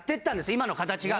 今の形が。